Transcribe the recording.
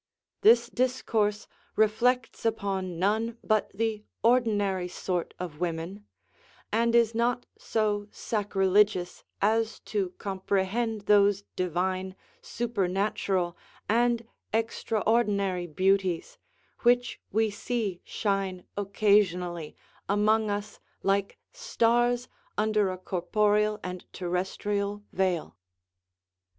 This discourse reflects upon none but the ordinary sort of women, and is not so sacrilegious as to comprehend those divine, supernatural, and extraordinary beauties, which we see shine occasionally among us like stars under a corporeal and terrestrial veil.